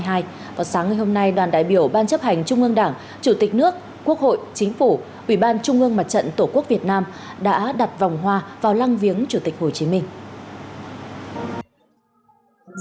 vào sáng ngày hôm nay đoàn đại biểu ban chấp hành trung ương đảng chủ tịch nước quốc hội chính phủ ủy ban trung ương mặt trận tổ quốc việt nam đã đặt vòng hoa vào lăng viếng chủ tịch hồ chí minh